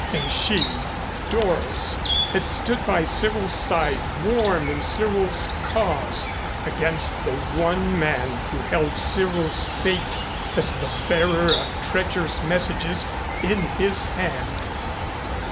And she, Doris, had stood by Cyril's side warm in Cyril's cause, against the one man who held Cyril's fate as the bearer of treacherous messages, in his hand.